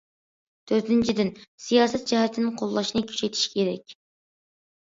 تۆتىنچىدىن، سىياسەت جەھەتتىن قوللاشنى كۈچەيتىش كېرەك.